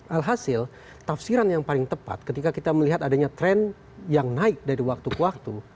alhasil tafsiran yang paling tepat ketika kita melihat adanya tren yang naik dari waktu ke waktu